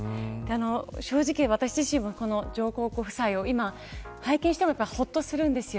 正直、私自身も上皇ご夫妻を今拝見してもほっとするんですよ。